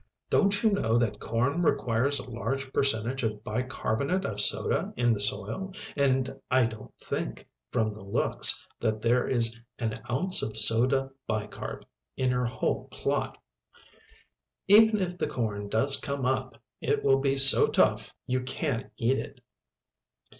Don't you know that corn requires a large percentage of bi carbonate of soda in the soil, and I don't think, from the looks, that there is an ounce of soda bi carb. in your whole plot. Even if the corn does come up, it will be so tough you can't eat it."